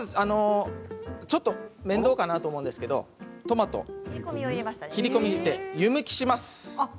ちょっと面倒かなと思うんですけどトマトに切り込み入れて湯むきします。